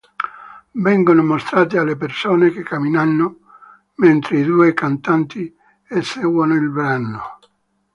Vengono mostrate delle persone che camminano, mentre i due cantanti eseguono il brano.